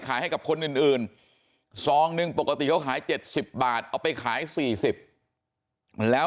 ขายให้กับคนอื่นซองหนึ่งปกติเขาขาย๗๐บาทเอาไปขาย๔๐แล้ว